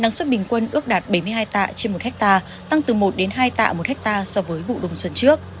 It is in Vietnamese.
năng suất bình quân ước đạt bảy mươi hai tạ trên một hectare tăng từ một đến hai tạ một hectare so với vụ đông xuân trước